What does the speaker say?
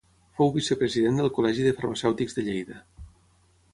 Fou vicepresident del Col·legi de Farmacèutics de Lleida.